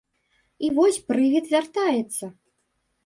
І вось прывід вяртаецца.